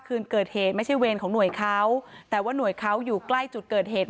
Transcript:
คืนเกิดเหตุไม่ใช่เวรของหน่วยเขาแต่ว่าหน่วยเขาอยู่ใกล้จุดเกิดเหตุ